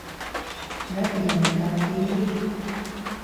Nebija nekā tīra.